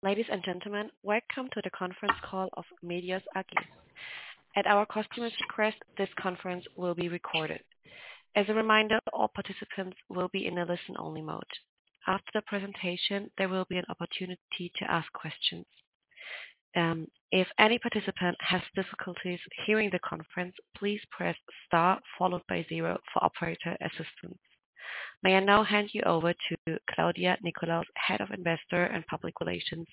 Ladies and gentlemen, welcome to the conference call of Medios AG. At our customer's request, this conference will be recorded. As a reminder, all participants will be in a listen-only mode. After the presentation, there will be an opportunity to ask questions. If any participant has difficulties hearing the conference, please press star followed by zero for operator assistance. May I now hand you over to Claudia Nickolaus, Head of Investor and Public Relations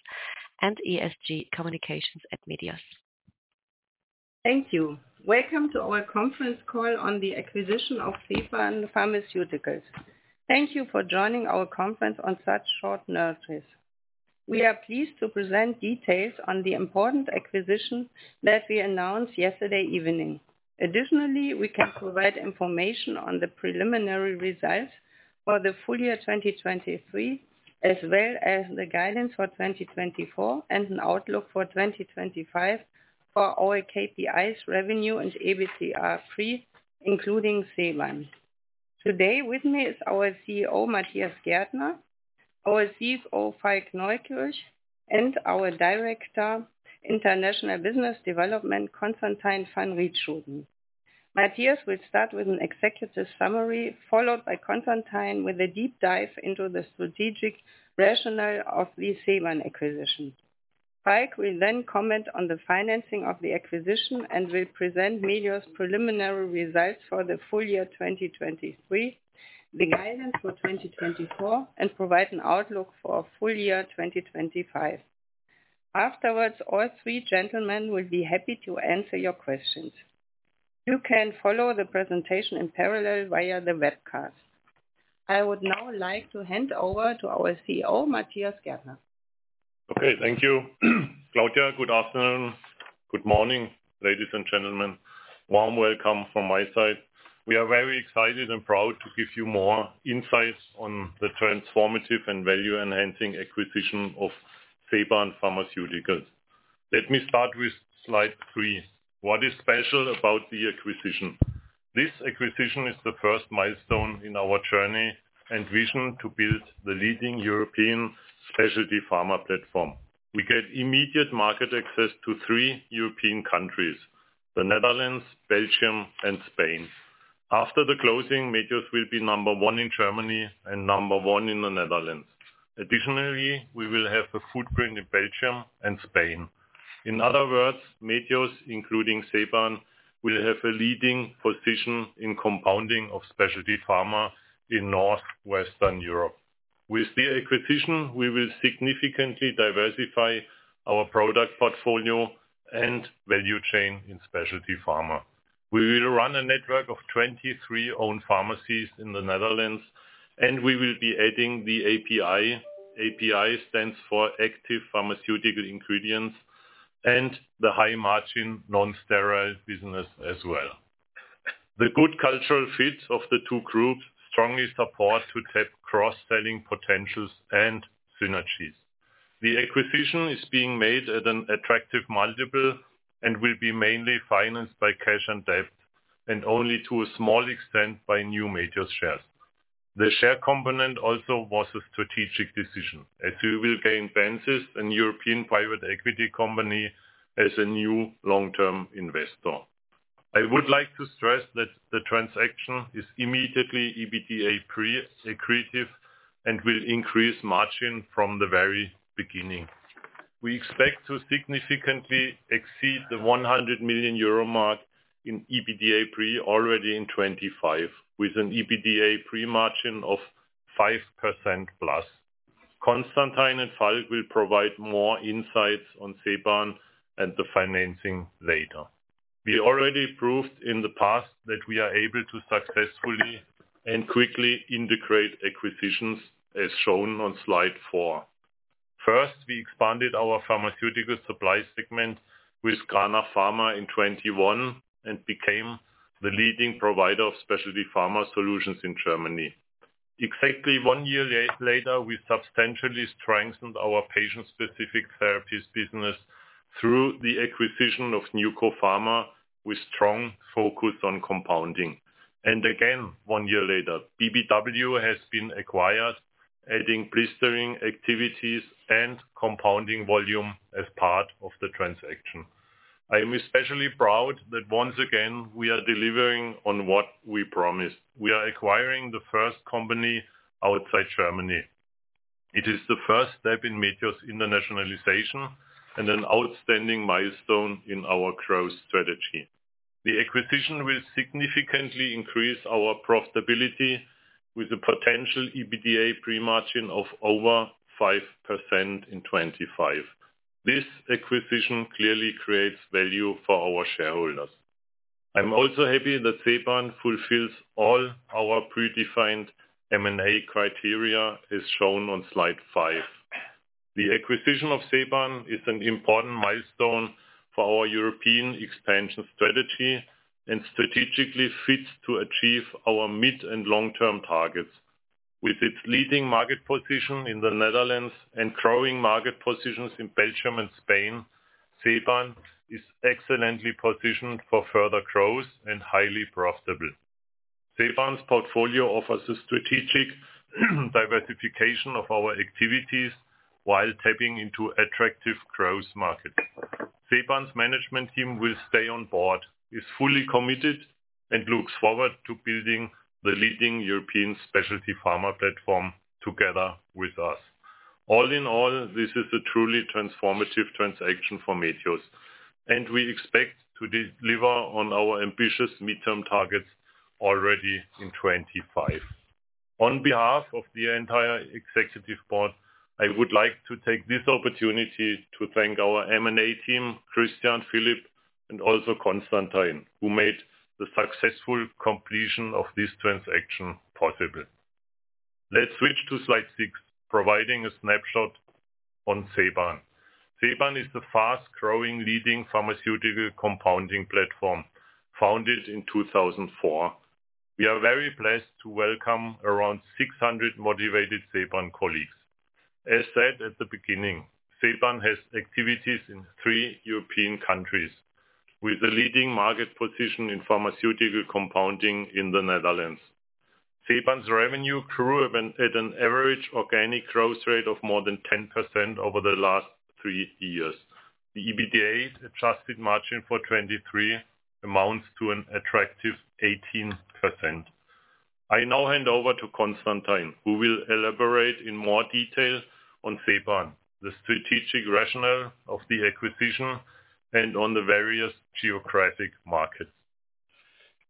and ESG Communications at Medios? Thank you. Welcome to our conference call on the acquisition of Ceban Pharmaceuticals. Thank you for joining our conference on such short notice. We are pleased to present details on the important acquisition that we announced yesterday evening. Additionally, we can provide information on the preliminary results for the full year 2023, as well as the guidance for 2024 and an outlook for 2025 for our KPIs, revenue, and EBITDA-pre, including Ceban. Today with me is our CEO, Matthias Gärtner, our CFO, Falk Neukirch, and our Director, International Business Development, Constantijn van Rietschoten. Matthias will start with an executive summary, followed by Constantijn with a deep dive into the strategic rationale of the Ceban acquisition. Falk will then comment on the financing of the acquisition and will present Medios' preliminary results for the full year 2023, the guidance for 2024, and provide an outlook for full year 2025. Afterwards, all three gentlemen will be happy to answer your questions. You can follow the presentation in parallel via the webcast. I would now like to hand over to our CEO, Matthias Gärtner. Okay, thank you. Claudia, good afternoon. Good morning, ladies and gentlemen. Warm welcome from my side. We are very excited and proud to give you more insights on the transformative and value-enhancing acquisition of Ceban Pharmaceuticals. Let me start with slide three. What is special about the acquisition? This acquisition is the first milestone in our journey and vision to build the leading European specialty pharma platform. We get immediate market access to three European countries: the Netherlands, Belgium, and Spain. After the closing, Medios will be number one in Germany and number one in the Netherlands. Additionally, we will have a footprint in Belgium and Spain. In other words, Medios, including Ceban, will have a leading position in compounding of specialty pharma in Northwestern Europe. With the acquisition, we will significantly diversify our product portfolio and value chain in specialty pharma. We will run a network of 23 owned pharmacies in the Netherlands, and we will be adding the API (API stands for Active Pharmaceutical Ingredients) and the high-margin non-sterile business as well. The good cultural fit of the two groups strongly supports too deep cross-selling potentials and synergies. The acquisition is being made at an attractive multiple and will be mainly financed by cash and debt, and only to a small extent by new Medios shares. The share component also was a strategic decision, as we will gain Bencis, a European private equity company, as a new long-term investor. I would like to stress that the transaction is immediately EBITDA-pre accretive and will increase margin from the very beginning. We expect to significantly exceed the 100 million euro mark in EBITDA-pre already in 2025, with an EBITDA-pre margin of 5%+. Constantijn and Falk will provide more insights on Ceban and the financing later. We already proved in the past that we are able to successfully and quickly integrate acquisitions, as shown on slide four. First, we expanded our pharmaceutical supply segment with Cranach Pharma in 2021 and became the leading provider of specialty pharma solutions in Germany. Exactly one year later, we substantially strengthened our patient-specific therapies business through the acquisition of NewCo Pharma with a strong focus on compounding. And again, one year later, BBW has been acquired, adding blistering activities and compounding volume as part of the transaction. I am especially proud that once again we are delivering on what we promised. We are acquiring the first company outside Germany. It is the first step in Medios' internationalization and an outstanding milestone in our growth strategy. The acquisition will significantly increase our profitability, with a potential EBITDA-pre margin of over 5% in 2025. This acquisition clearly creates value for our shareholders. I'm also happy that Ceban fulfills all our predefined M&A criteria, as shown on slide five. The acquisition of Ceban is an important milestone for our European expansion strategy and strategically fits to achieve our mid- and long-term targets. With its leading market position in the Netherlands and growing market positions in Belgium and Spain, Ceban is excellently positioned for further growth and highly profitable. Ceban's portfolio offers a strategic diversification of our activities while tapping into attractive growth markets. Ceban's management team will stay on board, is fully committed, and looks forward to building the leading European specialty pharma platform together with us. All in all, this is a truly transformative transaction for Medios, and we expect to deliver on our ambitious mid-term targets already in 2025. On behalf of the entire executive board, I would like to take this opportunity to thank our M&A team, Christian Philipp, and also Constantijn, who made the successful completion of this transaction possible. Let's switch to slide 6, providing a snapshot on Ceban. Ceban is a fast-growing, leading pharmaceutical compounding platform, founded in 2004. We are very blessed to welcome around 600 motivated Ceban colleagues. As said at the beginning, Ceban has activities in three European countries, with a leading market position in pharmaceutical compounding in the Netherlands. Ceban's revenue grew at an average organic growth rate of more than 10% over the last three years. The EBITDA-adjusted margin for 2023 amounts to an attractive 18%. I now hand over to Constantijn, who will elaborate in more detail on Ceban, the strategic rationale of the acquisition, and on the various geographic markets.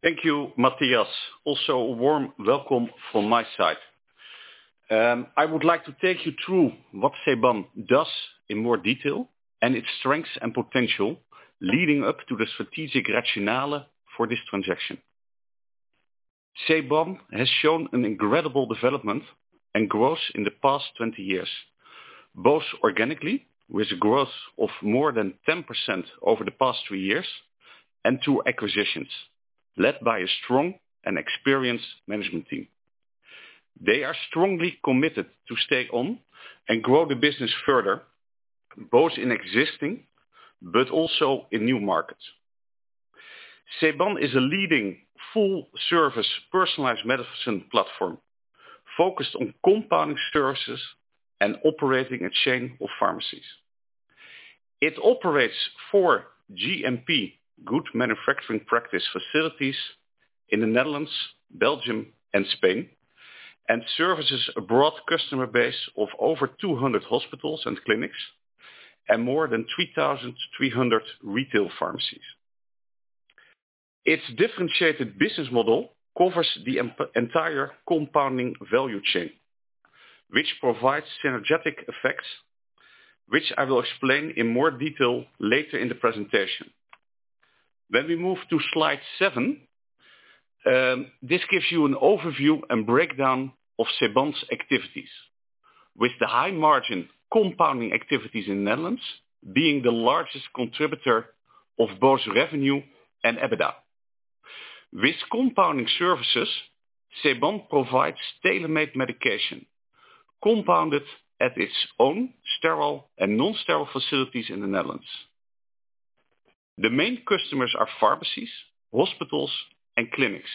Thank you, Matthias. Also, a warm welcome from my side. I would like to take you through what Ceban does in more detail and its strengths and potential leading up to the strategic rationale for this transaction. Ceban has shown an incredible development and growth in the past 20 years, both organically, with a growth of more than 10% over the past three years, and through acquisitions, led by a strong and experienced management team. They are strongly committed to stay on and grow the business further, both in existing but also in new markets. Ceban is a leading full-service personalized medicine platform focused on compounding services and operating a chain of pharmacies. It operates four GMP Good Manufacturing Practice facilities in the Netherlands, Belgium, and Spain, and services a broad customer base of over 200 hospitals and clinics and more than 3,300 retail pharmacies. Its differentiated business model covers the entire compounding value chain, which provides synergistic effects, which I will explain in more detail later in the presentation. When we move to slide seven, this gives you an overview and breakdown of Ceban's activities, with the high-margin compounding activities in the Netherlands being the largest contributor of both revenue and EBITDA. With compounding services, Ceban provides tailor-made medication compounded at its own sterile and non-sterile facilities in the Netherlands. The main customers are pharmacies, hospitals, and clinics.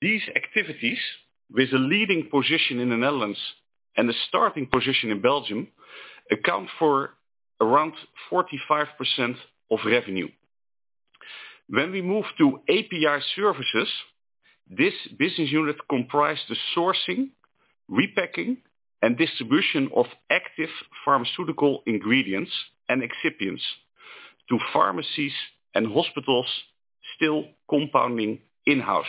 These activities, with a leading position in the Netherlands and a starting position in Belgium, account for around 45% of revenue. When we move to API services, this business unit comprises the sourcing, repacking, and distribution of active pharmaceutical ingredients and excipients to pharmacies and hospitals still compounding in-house.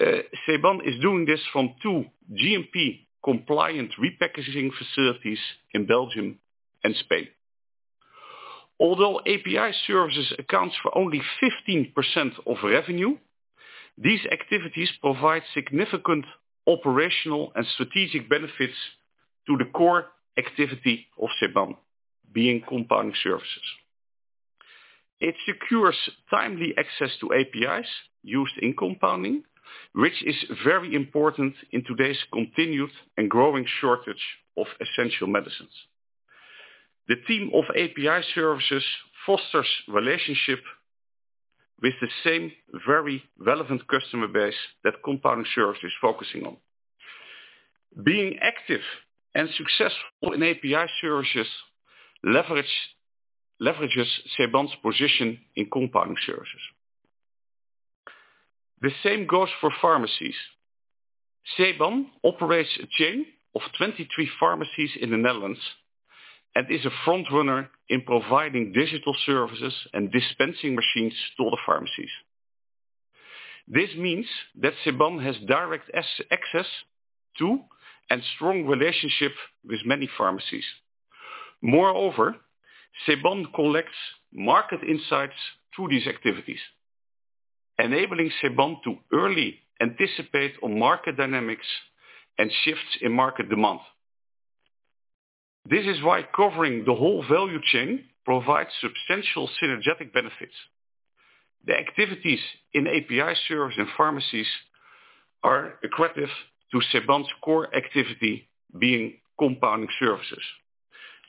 Ceban is doing this from two GMP-compliant repackaging facilities in Belgium and Spain. Although API services account for only 15% of revenue, these activities provide significant operational and strategic benefits to the core activity of Ceban, being compounding services. It secures timely access to APIs used in compounding, which is very important in today's continued and growing shortage of essential medicines. The team of API services fosters a relationship with the same very relevant customer base that compounding services are focusing on. Being active and successful in API services leverages Ceban's position in compounding services. The same goes for pharmacies. Ceban operates a chain of 23 pharmacies in the Netherlands and is a frontrunner in providing digital services and dispensing machines to the pharmacies. This means that Ceban has direct access to and a strong relationship with many pharmacies. Moreover, Ceban collects market insights through these activities, enabling Ceban to early anticipate market dynamics and shifts in market demand. This is why covering the whole value chain provides substantial synergetic benefits. The activities in API services and pharmacies are equivalent to Ceban's core activity, being compounding services.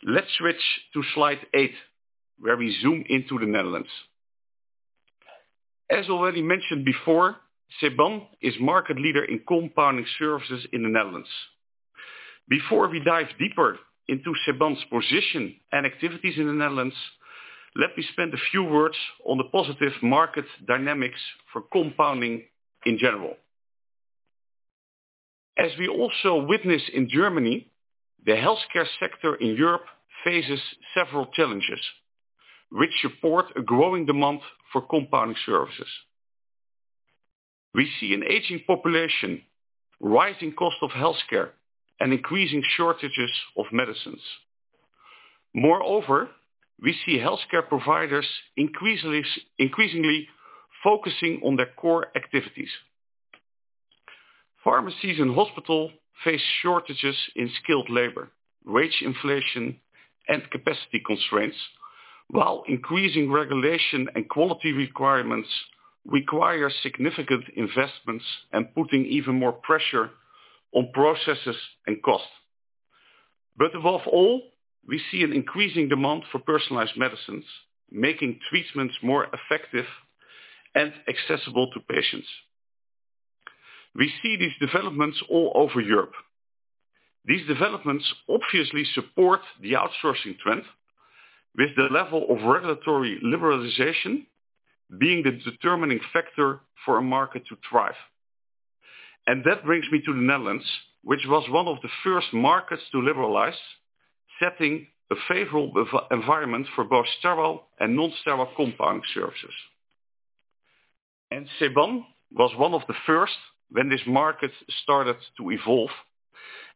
Let's switch to slide eight, where we zoom into the Netherlands. As already mentioned before, Ceban is a market leader in compounding services in the Netherlands. Before we dive deeper into Ceban's position and activities in the Netherlands, let me spend a few words on the positive market dynamics for compounding in general. As we also witness in Germany, the healthcare sector in Europe faces several challenges, which support a growing demand for compounding services. We see an aging population, rising costs of healthcare, and increasing shortages of medicines. Moreover, we see healthcare providers increasingly focusing on their core activities. Pharmacies and hospitals face shortages in skilled labor, wage inflation, and capacity constraints, while increasing regulation and quality requirements require significant investments and put even more pressure on processes and costs. But above all, we see an increasing demand for personalized medicines, making treatments more effective and accessible to patients. We see these developments all over Europe. These developments obviously support the outsourcing trend, with the level of regulatory liberalization being the determining factor for a market to thrive. And that brings me to the Netherlands, which was one of the first markets to liberalize, setting a favorable environment for both sterile and non-sterile compounding services. And Ceban was one of the first when this market started to evolve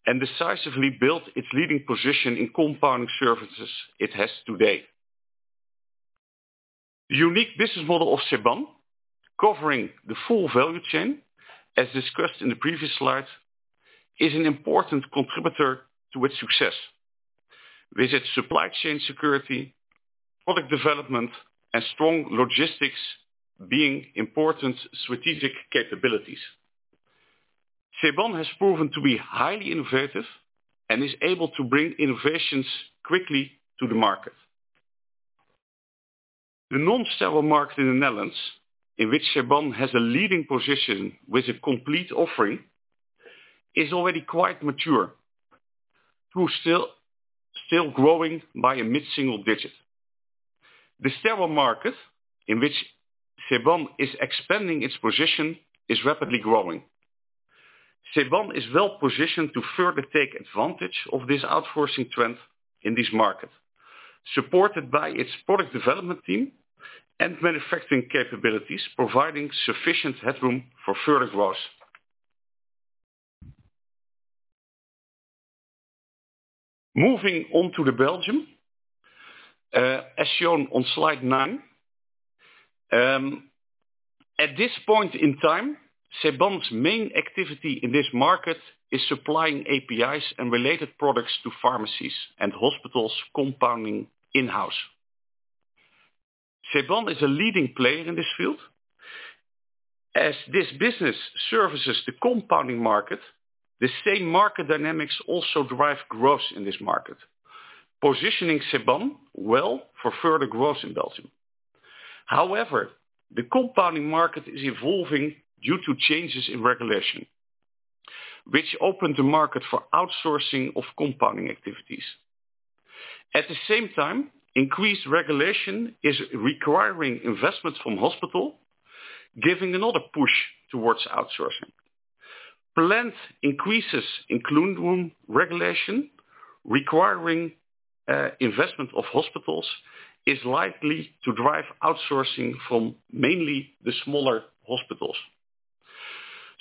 and decisively built its leading position in compounding services it has today. The unique business model of Ceban, covering the full value chain, as discussed in the previous slide, is an important contributor to its success, with its supply chain security, product development, and strong logistics being important strategic capabilities. Ceban has proven to be highly innovative and is able to bring innovations quickly to the market. The non-sterile market in the Netherlands, in which Ceban has a leading position with a complete offering, is already quite mature, though still growing by a mid-single digit. The sterile market, in which Ceban is expanding its position, is rapidly growing. Ceban is well positioned to further take advantage of this outsourcing trend in this market, supported by its product development team and manufacturing capabilities, providing sufficient headroom for further growth. Moving on to Belgium, as shown on slide nine, at this point in time, Ceban's main activity in this market is supplying APIs and related products to pharmacies and hospitals compounding in-house. Ceban is a leading player in this field. As this business services the compounding market, the same market dynamics also drive growth in this market, positioning Ceban well for further growth in Belgium. However, the compounding market is evolving due to changes in regulation, which opened the market for outsourcing of compounding activities. At the same time, increased regulation is requiring investment from hospitals, giving another push towards outsourcing. Planned increases in clean room regulation, requiring investment of hospitals, is likely to drive outsourcing from mainly the smaller hospitals.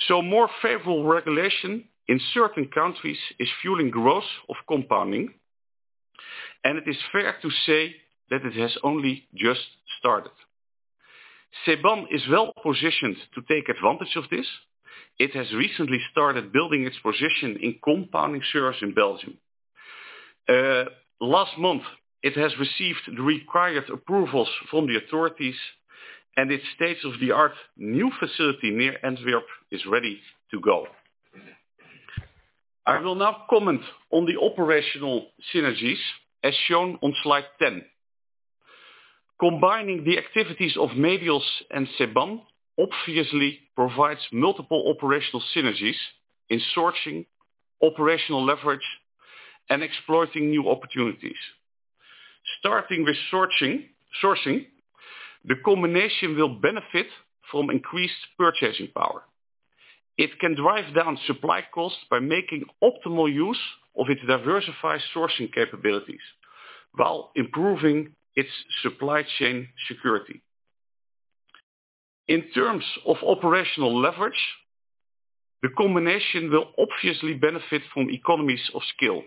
So more favorable regulation in certain countries is fueling growth of compounding, and it is fair to say that it has only just started. Ceban is well positioned to take advantage of this. It has recently started building its position in compounding service in Belgium. Last month, it has received the required approvals from the authorities, and its state-of-the-art new facility near Antwerp is ready to go. I will now comment on the operational synergies, as shown on slide 10. Combining the activities of Medios and Ceban obviously provides multiple operational synergies in sourcing, operational leverage, and exploiting new opportunities. Starting with sourcing, the combination will benefit from increased purchasing power. It can drive down supply costs by making optimal use of its diversified sourcing capabilities while improving its supply chain security. In terms of operational leverage, the combination will obviously benefit from economies of scale.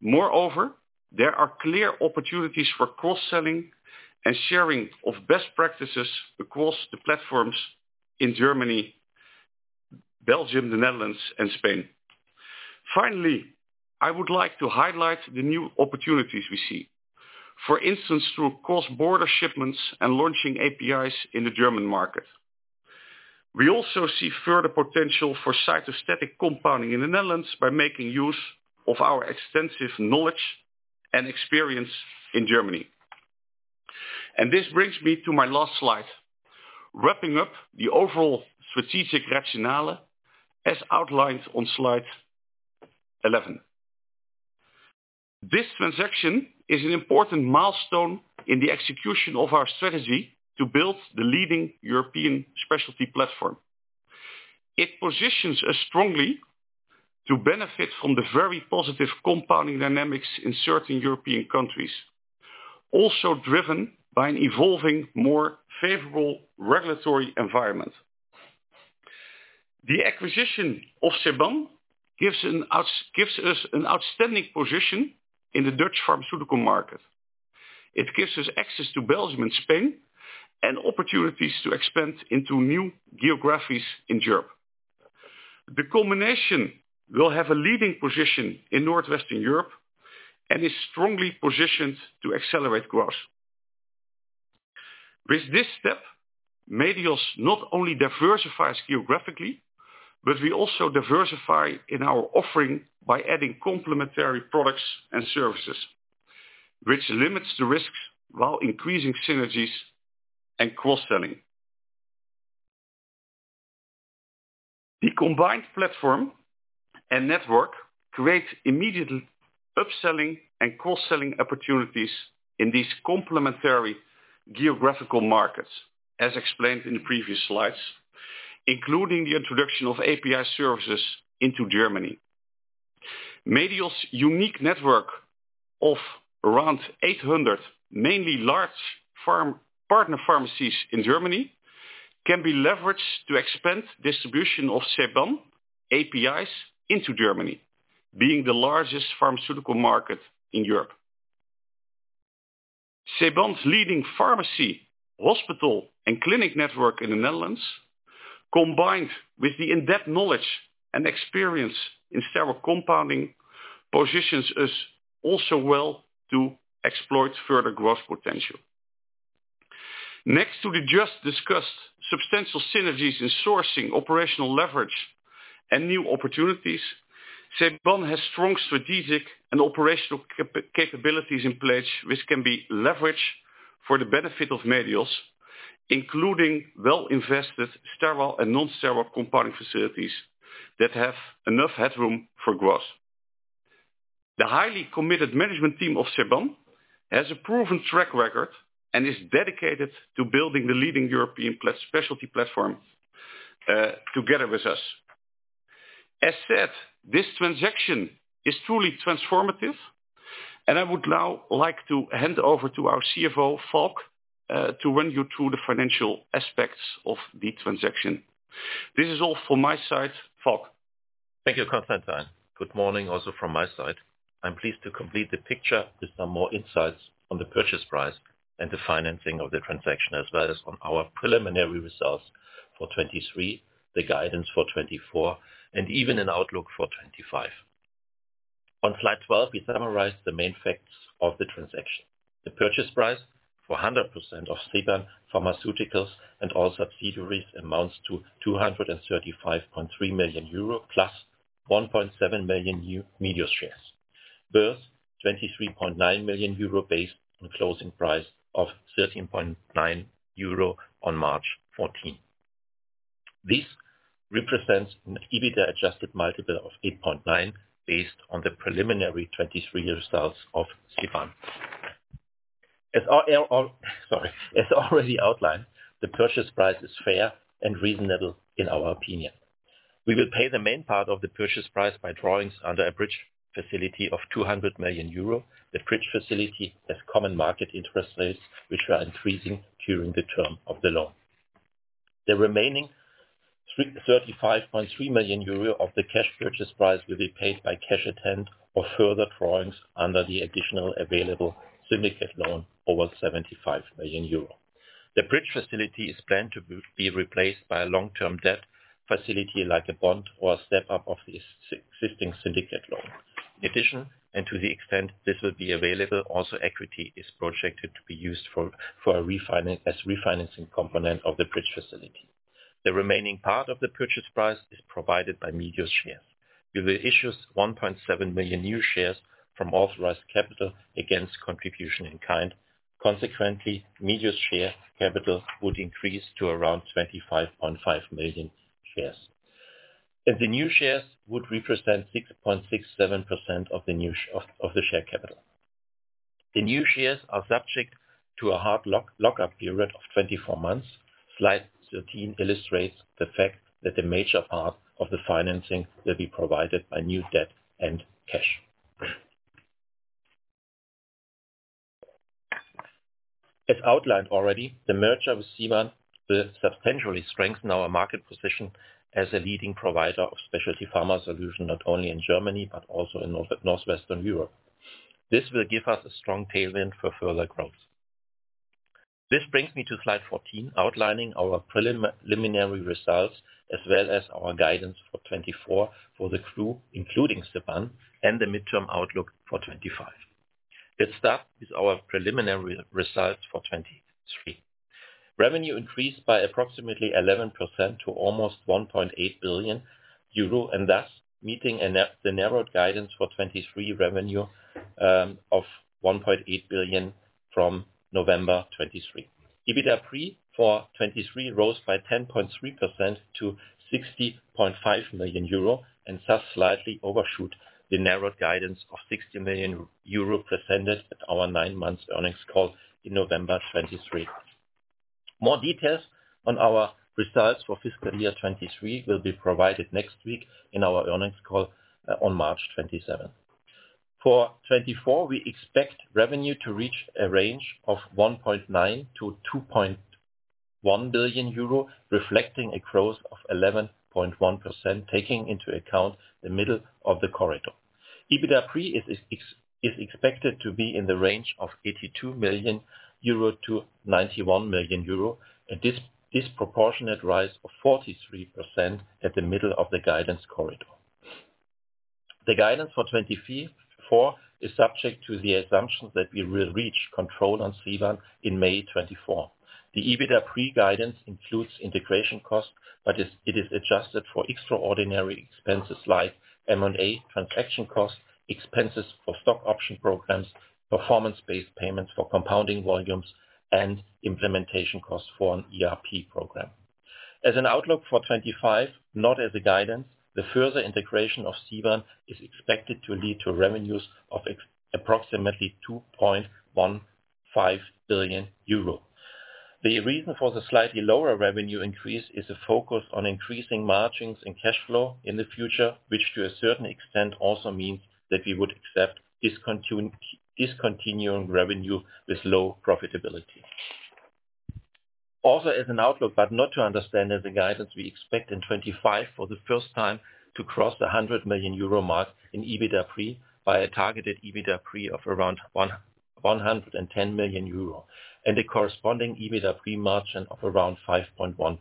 Moreover, there are clear opportunities for cross-selling and sharing of best practices across the platforms in Germany, Belgium, the Netherlands, and Spain. Finally, I would like to highlight the new opportunities we see, for instance, through cross-border shipments and launching APIs in the German market. We also see further potential for cytostatic compounding in the Netherlands by making use of our extensive knowledge and experience in Germany. And this brings me to my last slide, wrapping up the overall strategic rationale as outlined on slide 11. This transaction is an important milestone in the execution of our strategy to build the leading European specialty platform. It positions us strongly to benefit from the very positive compounding dynamics in certain European countries, also driven by an evolving, more favorable regulatory environment. The acquisition of Ceban gives us an outstanding position in the Dutch pharmaceutical market. It gives us access to Belgium and Spain and opportunities to expand into new geographies in Europe. The combination will have a leading position in Northwestern Europe and is strongly positioned to accelerate growth. With this step, Medios not only diversifies geographically, but we also diversify in our offering by adding complementary products and services, which limits the risks while increasing synergies and cross-selling. The combined platform and network create immediate upselling and cross-selling opportunities in these complementary geographical markets, as explained in the previous slides, including the introduction of API services into Germany. Medios' unique network of around 800 mainly large partner pharmacies in Germany can be leveraged to expand the distribution of Ceban APIs into Germany, being the largest pharmaceutical market in Europe. Ceban's leading pharmacy, hospital, and clinic network in the Netherlands, combined with the in-depth knowledge and experience in sterile compounding, positions us also well to exploit further growth potential. Next to the just-discussed substantial synergies in sourcing, operational leverage, and new opportunities, Ceban has strong strategic and operational capabilities in place, which can be leveraged for the benefit of Medios, including well-invested sterile and non-sterile compounding facilities that have enough headroom for growth. The highly committed management team of Ceban has a proven track record and is dedicated to building the leading European specialty platform together with us. As said, this transaction is truly transformative, and I would now like to hand over to our CFO, Falk, to run you through the financial aspects of the transaction. This is all from my side, Falk. Thank you, Constantijn. Good morning also from my side. I'm pleased to complete the picture with some more insights on the purchase price and the financing of the transaction, as well as on our preliminary results for 2023, the guidance for 2024, and even an outlook for 2025. On slide 12, we summarized the main facts of the transaction. The purchase price for 100% of Ceban Pharmaceuticals and all subsidiaries amounts to 235.3 million euro + 1.7 million new Medios shares, versus 23.9 million euro based on closing price of 13.9 euro on March 14. This represents an EBITDA adjusted multiple of 8.9x based on the preliminary 2023 results of Ceban. As already outlined, the purchase price is fair and reasonable in our opinion. We will pay the main part of the purchase price by drawings under a bridge facility of 200 million euro. The bridge facility has common market interest rates, which are increasing during the term of the loan. The remaining 35.3 million euro of the cash purchase price will be paid by cash at hand or further drawings under the additional available syndicate loan over 75 million euro. The bridge facility is planned to be replaced by a long-term debt facility like a bond or a step-up of the existing syndicate loan. In addition, and to the extent this will be available, also equity is projected to be used for a refinancing component of the bridge facility. The remaining part of the purchase price is provided by Medios shares. We will issue 1.7 million new shares from authorized capital against contribution in kind. Consequently, Medios share capital would increase to around 25.5 million shares. The new shares would represent 6.67% of the share capital. The new shares are subject to a hard lockup period of 24 months. Slide 13 illustrates the fact that the major part of the financing will be provided by new debt and cash. As outlined already, the merger with Ceban will substantially strengthen our market position as a leading provider of specialty pharma solutions not only in Germany but also in Northwestern Europe. This will give us a strong tailwind for further growth. This brings me to slide 14, outlining our preliminary results as well as our guidance for 2024 for the Group, including Ceban, and the mid-term outlook for 2025. Let's start with our preliminary results for 2023. Revenue increased by approximately 11% to almost 1.8 billion euro, and thus meeting the narrowed guidance for 2023 revenue of 1.8 billion from November 2023. EBITDA pre for 2023 rose by 10.3% to 60.5 million euro and thus slightly overshoot the narrowed guidance of 60 million euro presented at our nine-month earnings call in November 2023. More details on our results for fiscal year 2023 will be provided next week in our earnings call on March 27. For 2024, we expect revenue to reach a range of 1.9 billion-2.1 billion euro, reflecting a growth of 11.1%, taking into account the middle of the corridor. EBITDA pre is expected to be in the range of 82 million-91 million euro, a disproportionate rise of 43% at the middle of the guidance corridor. The guidance for 2024 is subject to the assumptions that we will reach control on Ceban in May 2024. The EBITDA pre guidance includes integration costs, but it is adjusted for extraordinary expenses like M&A transaction costs, expenses for stock option programs, performance-based payments for compounding volumes, and implementation costs for an ERP program. As an outlook for 2025, not as a guidance, the further integration of Ceban is expected to lead to revenues of approximately 2.15 billion euro. The reason for the slightly lower revenue increase is a focus on increasing margins and cash flow in the future, which to a certain extent also means that we would accept discontinuing revenue with low profitability. Also, as an outlook, but not to understand as a guidance, we expect in 2025 for the first time to cross the 100 million euro mark in EBITDA pre by a targeted EBITDA pre of around 110 million euro and a corresponding EBITDA pre margin of around 5.1%.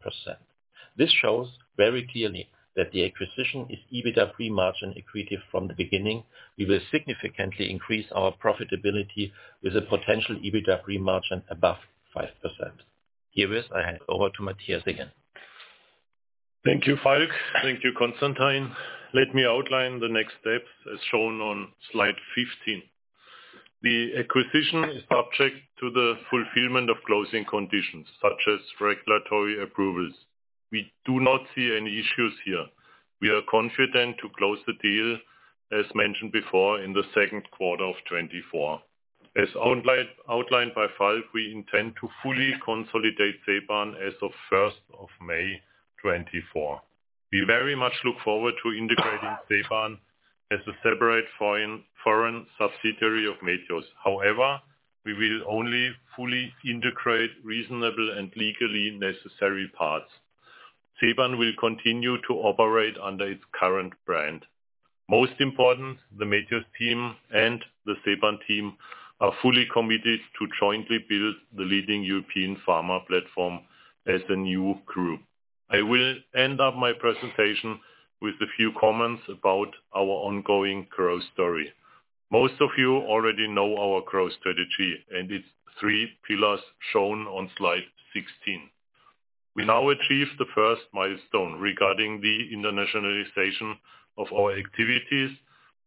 This shows very clearly that the acquisition is EBITDA pre margin accretive from the beginning. We will significantly increase our profitability with a potential EBITDA pre margin above 5%. Here, I hand over to Matthias Gärtner. Thank you, Falk. Thank you, Constantijn. Let me outline the next steps as shown on slide 15. The acquisition is subject to the fulfillment of closing conditions such as regulatory approvals. We do not see any issues here. We are confident to close the deal, as mentioned before, in the second quarter of 2024. As outlined by Falk, we intend to fully consolidate Ceban as of 1st of May 2024. We very much look forward to integrating Ceban as a separate foreign subsidiary of Medios. However, we will only fully integrate reasonable and legally necessary parts. Ceban will continue to operate under its current brand. Most important, the Medios team and the Ceban team are fully committed to jointly build the leading European pharma platform as a new crew. I will end up my presentation with a few comments about our ongoing growth story. Most of you already know our growth strategy, and it's three pillars shown on slide 16. We now achieved the first milestone regarding the internationalization of our activities,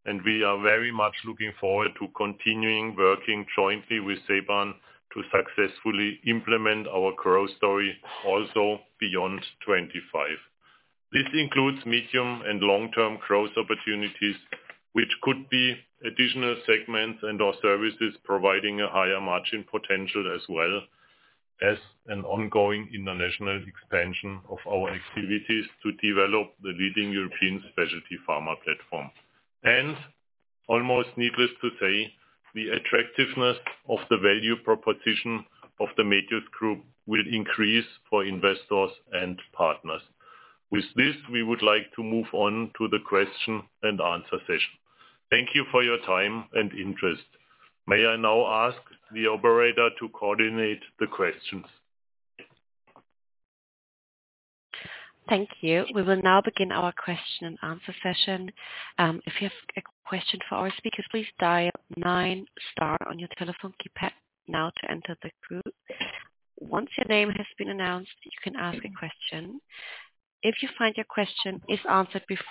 and we are very much looking forward to continuing working jointly with Ceban to successfully implement our growth story also beyond 2025. This includes medium and long-term growth opportunities, which could be additional segments and/or services providing a higher margin potential as well as an ongoing international expansion of our activities to develop the leading European specialty pharma platform. Almost needless to say, the attractiveness of the value proposition of the Medios group will increase for investors and partners. With this, we would like to move on to the question and answer session. Thank you for your time and interest. May I now ask the operator to coordinate the questions? Thank you. We will now begin our question and answer session. If you have a question for our speakers, please dial nine star on your telephone. Keep that now to enter the group. Once your name has been announced, you can ask a question. If you find your question is answered before.